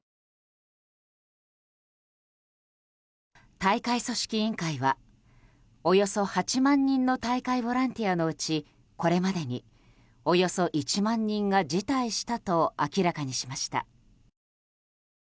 大会組織委員会はおよそ８万人の大会ボランティアのうちこれまでにおよそ１万人が辞退したと明らかにしました。